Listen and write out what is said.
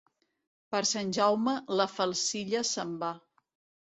Per Sant Jaume la falcilla se'n va.